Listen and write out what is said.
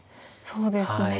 そうですね。